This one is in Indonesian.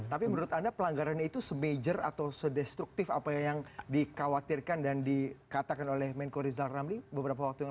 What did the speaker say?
tapi menurut anda pelanggaran itu semajor atau sedestruktif apa yang dikhawatirkan dan dikatakan oleh menko rizal ramli beberapa waktu yang lalu